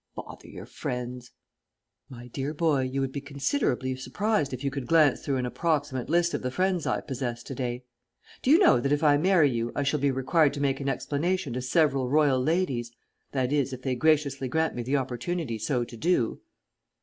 "Bother your friends." "My dear boy, you would be considerably surprised if you could glance through an approximate list of the friends I possess to day. Do you know that if I marry you I shall be required to make an explanation to several royal ladies that is, if they graciously grant me the opportunity so to do."